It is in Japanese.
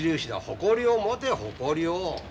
誇りを持て誇りを。